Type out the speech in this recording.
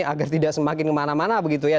agar tidak semakin kemana mana begitu ya